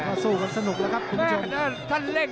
เดินให้เร็ว